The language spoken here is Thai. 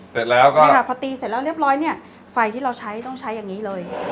เสร็จแล้วก็เนี่ยค่ะพอตีเสร็จแล้วเรียบร้อยเนี่ยไฟที่เราใช้ต้องใช้อย่างนี้เลย